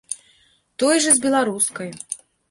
Тое ж і з беларускай.